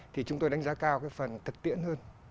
thì chúng tôi đánh giá cao cái phần thực tiễn hơn